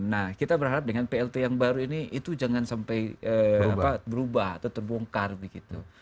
nah kita berharap dengan plt yang baru ini itu jangan sampai berubah atau terbongkar begitu